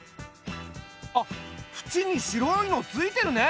あっふちに白いの付いてるね。